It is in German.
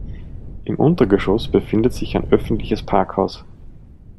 Im Untergeschoss befindet sich ein öffentliches Parkhaus.